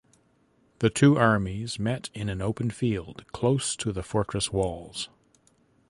The two armies met in an open field close to the fortress walls.